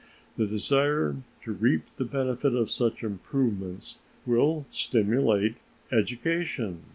The desire to reap the benefit of such improvements will stimulate education.